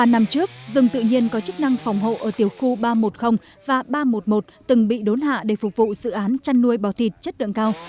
ba năm trước rừng tự nhiên có chức năng phòng hậu ở tiểu khu ba trăm một mươi và ba trăm một mươi một từng bị đốn hạ để phục vụ dự án chăn nuôi bò thịt chất lượng cao